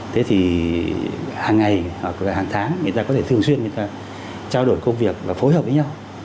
thế thì hàng ngày hoặc là hàng tháng người ta có thể thường xuyên người ta trao đổi công việc và phối hợp với nhau